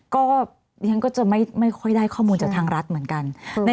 ก็ดิฉันก็จะไม่ค่อยได้ข้อมูลจากทางรัฐเหมือนกัน